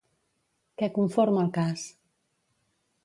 Què conforma el cas?